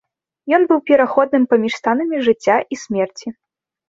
Ён быў пераходным паміж станамі жыцця і смерці.